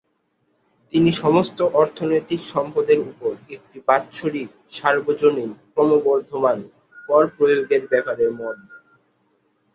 তিনি সমস্ত অর্থনৈতিক সম্পদের উপর একটি বাৎসরিক সার্বজনীন ক্রমবর্ধমান কর প্রয়োগের ব্যাপারে মত দেন।